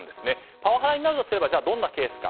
パワハラになるとすればどんなケースか。